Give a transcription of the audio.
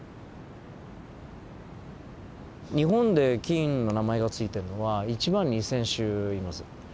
日本で菌の名前が付いてるのは１万２，０００種います。